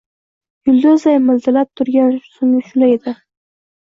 Yulduzday miltillab turgan so‘nggi shu’la edi.